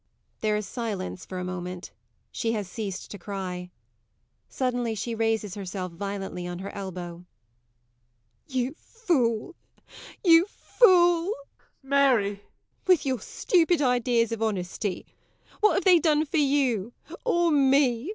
[There is silence for a moment; she has ceased to cry; suddenly she raises herself violently on her elbow. MARY. You fool! You fool! JOE. [Pleading.] Mary! MARY. With your stupid ideas of honesty! What have they done for you, or me? JOE.